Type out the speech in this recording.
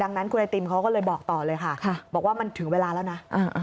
ดังนั้นคุณไอติมเขาก็เลยบอกต่อเลยค่ะบอกว่ามันถึงเวลาแล้วนะ